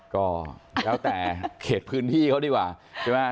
ก็แล้วแต่เขตพื้นที่เขาดีกว่า